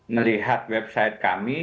melihat website kami